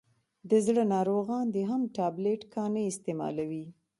دزړه ناروغان دي هم ټابلیټ کا نه استعمالوي.